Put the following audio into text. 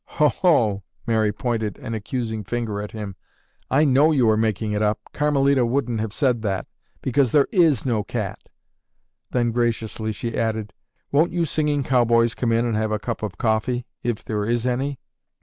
"Oho!" Mary pointed an accusing finger at him. "I know you are making it up. Carmelita wouldn't have said that, because there is no cat." Then graciously, she added, "Won't you singing cowboys come in and have a cup of coffee, if there is any?"